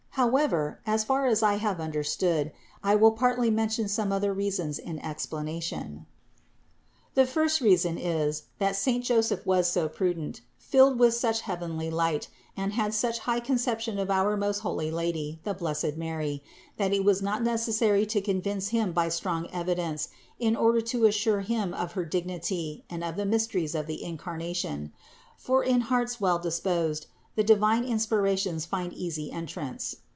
However, as far as I have understood, I will partly men tion some other reasons in explanation. The first reason is, that saint Joseph was so prudent, filled with such heavenly light, and had such high conception of our most holy Lady, the blessed Mary, that it was not neces sary to convince him by strong evidence, in order to THE INCARNATION 325 assure him of her dignity and of the mysteries of the Incarnation; for in hearts well disposed the divine in spirations find easy entrance.